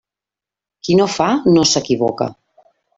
Qui no fa, no s'equivoca.